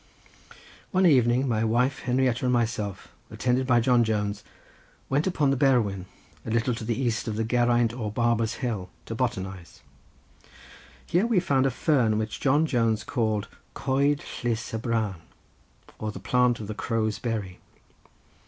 One evening my wife, Henrietta, and myself, attended by John Jones, went upon the Berwyn a little to the east of the Geraint or Barber's Hill to botanize. Here we found a fern which John Jones called Coed llus y Brân, or the plant of the Crow's berry.